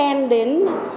vài lời khen đến